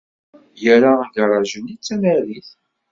Yuba yerra agaṛaj-nni d tanarit.